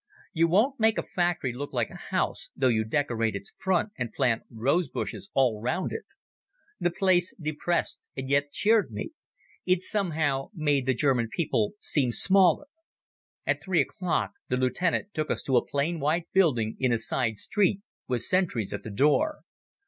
You won't make a factory look like a house, though you decorate its front and plant rose bushes all round it. The place depressed and yet cheered me. It somehow made the German people seem smaller. At three o'clock the lieutenant took us to a plain white building in a side street with sentries at the door.